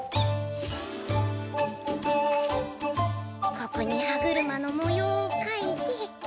ここに歯車の模様をかいて。